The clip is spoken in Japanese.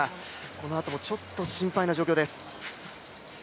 このあともちょっと心配な状況です。